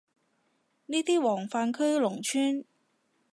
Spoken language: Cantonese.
呢啲黃泛區農村